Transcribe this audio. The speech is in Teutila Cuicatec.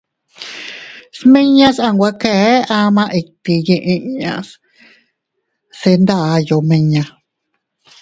Smiñas a nwe kee ama itti yiʼi am inña, se nday omiña.